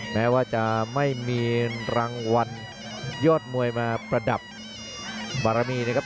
แม้ว่าจะไม่มีรางวัลยอดมวยมาประดับบารมีนะครับ